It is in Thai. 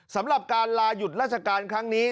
สำหรับการลาหยุดราชการครั้งนี้